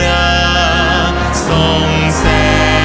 รักทั้งหมุนทั้งหมุน